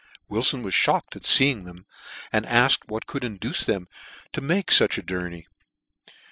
Wilfon was fhocked at feeing them, and afked what ouid induce them to take fuch a journey.